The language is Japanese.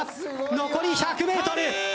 残り１００ｍ。